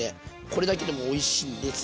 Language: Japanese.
これだけでもおいしいんですけど。